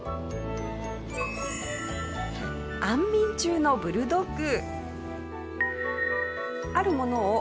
安眠中のブルドッグ。